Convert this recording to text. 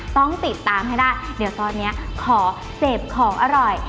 ต้องติดตามให้ได้เดี๋ยวตอนนี้ขอเสพของอร่อย